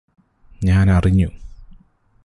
ഞാനറിഞ്ഞു